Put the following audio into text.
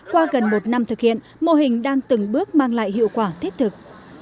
qua gần một năm thực hiện mô hình đang từng bước mang lại hiệu quả thiết thực